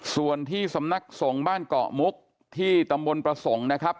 ส่วนที่สำนักสงฆ์บ้านเกาะมุกที่ตำบลประสงค์นะครับ